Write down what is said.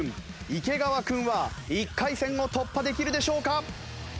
池川君は１回戦を突破できるでしょうか？